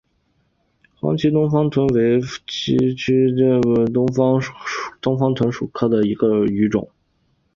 黄鳍东方鲀为辐鳍鱼纲豚形目四齿鲀科东方鲀属的一种鱼类。